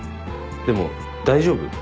でも大丈夫？